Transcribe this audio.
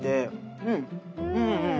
うんうんうんうん。